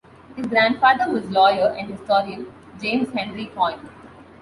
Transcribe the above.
His grandfather was lawyer and historian James Henry Coyne.